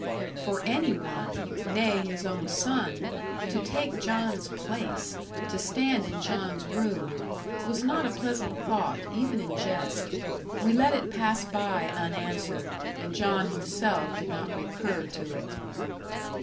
For any one nay, his own son to take John's place, to stand in John's room, was not a pleasant thought, even in jest; we let it pass by unanswered, and John himself did not recur to it.